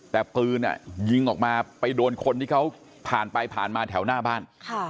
แต่ปืนยิงออกมาไปโดนคนที่เขาผ่านไปผ่านมาแถวหน้าบ้าน